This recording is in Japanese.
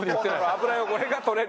油汚れが取れる。